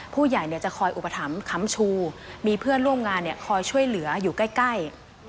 ผู้ใหญ่จะคอยอุปถัมภ์ค้ำชูมีเพื่อนร่วมงานคอยช่วยเหลืออยู่ใกล้